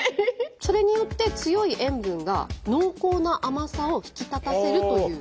それによって強い塩分が濃厚な甘さを引き立たせるという。